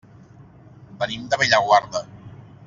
Venim de Bellaguarda.